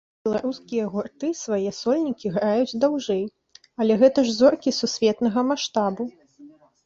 Беларускія гурты свае сольнікі граюць даўжэй, але гэта ж зоркі сусветнага маштабу.